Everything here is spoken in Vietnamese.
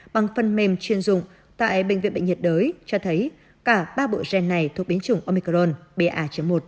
bằng phần mềm chuyên dụng tại bệnh viện bệnh nhiệt đới cho thấy cả ba bộ gen này thuộc biến chủng omicron ba một